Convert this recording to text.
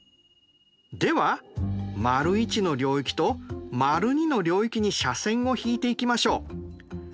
では①の領域と②の領域に斜線を引いていきましょう。